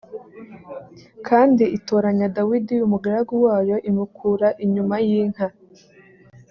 kandi itoranya dawidi umugaragu wayo imukura inyuma yinka